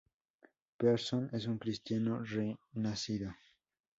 Pearson es un cristiano renacido.